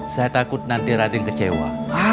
saya takut nanti raden kecewa